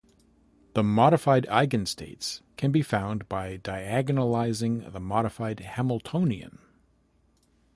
The modified eigenstates can be found by diagonalising the modified Hamiltonian.